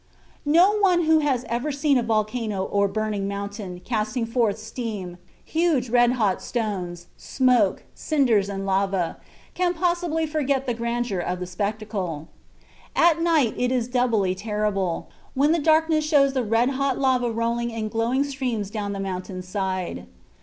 No one who has ever seen a volcano or "burning mountain" casting forth steam, huge red hot stones, smoke, cinders and lava, can possibly forget the grandeur of the spectacle. At night it is doubly terrible, when the darkness shows the red hot lava rolling in glowing streams down the mountain's side.